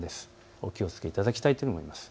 お気をつけいただきたいと思います。